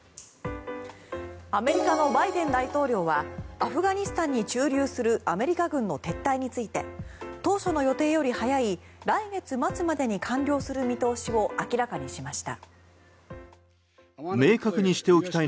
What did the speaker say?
アメリカのバイデン大統領はアフガニスタンに駐留するアメリカ軍の撤退について当初の予定より早い来月末までに完了する見通しを明らかにしました。